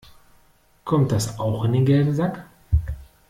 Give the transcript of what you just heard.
Kommt das auch in den gelben Sack?